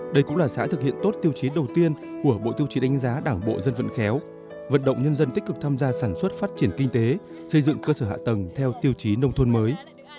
đây cũng là xã thực hiện tốt tiêu chí đầu tiên của bộ tiêu chí đánh giá đảng bộ dân vận khéo vận động nhân dân tích cực tham gia sản xuất phát triển kinh tế xây dựng cơ sở hạ tầng theo tiêu chí nông thôn mới